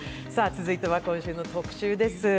続いては今週の特集です。